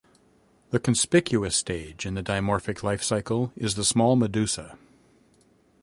The conspicuous stage in the dimorphic lifecycle is the small medusa.